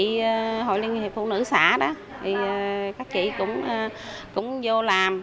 thì hội liên hiệp phụ nữ xã đó thì các chị cũng vô làm